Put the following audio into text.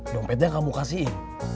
dompetnya kamu kasihin